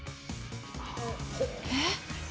えっ？